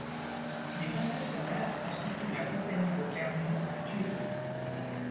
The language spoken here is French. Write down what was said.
Les concessionnaires constituent la Compagnie de Clermont à Tulle.